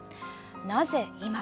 なぜ今？